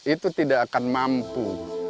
itu tidak akan mampu